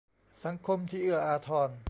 สังคมที่เอื้ออาทร